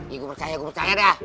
iya gua percaya gua percaya dah